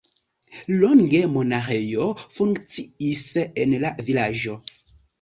Longe monaĥejo funkciis en la vilaĝo.